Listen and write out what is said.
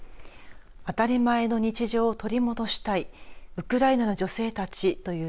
当たり前の日常を取り戻したい。